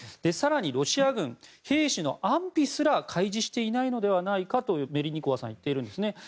更にロシア軍、兵士の安否すら開示していないのではないかというメリニコワさんは言っているんですね。